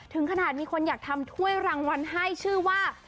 ถึงขนาดมีคนอยากทำถ้วยรางวัลให้ชื่อว่า